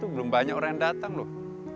belum banyak orang yang datang loh